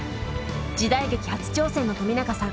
時代劇初挑戦の冨永さん。